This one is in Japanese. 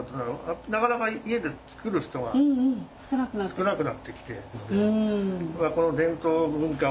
なかなか家で作る人が少なくなってきてるので。